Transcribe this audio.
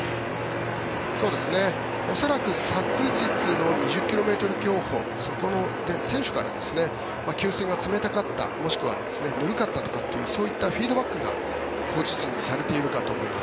恐らく昨日の２０ｋｍ競歩そこの選手から給水が冷たかったあるいはぬるかったというそういったフィードバックがコーチ陣にされているかと思います。